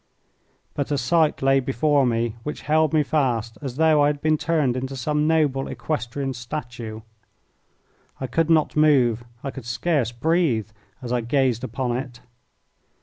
But a sight lay before me which held me fast as though I had been turned into some noble equestrian statue. I could not move, I could scarce breathe, as I gazed upon it.